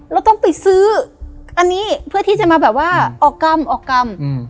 เราต้องไปซื้ออันนี้เพื่อที่จะมาแบบว่าออกกรรมออกกรรม